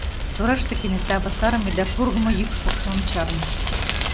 Тораште кенета васарыме да шургымо йӱк шоктымым чарныш.